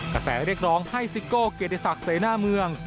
กระแสเรียกร้องให้ซิโก้เกรดศักดิ์เสน่ห์หน้าเมือง